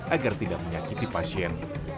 agar tidak menyakiti pasien